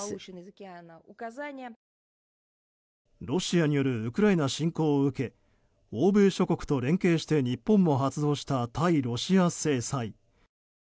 ロシアによるウクライナ侵攻を受け欧米諸国と連携して日本も発動した対ロシア制裁。